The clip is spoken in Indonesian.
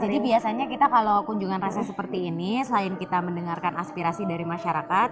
jadi biasanya kita kalau kunjungan rasa seperti ini selain kita mendengarkan aspirasi dari masyarakat